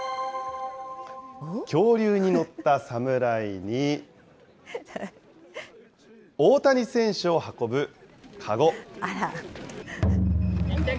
恐竜に乗った侍に、大谷選手を運ぶかご。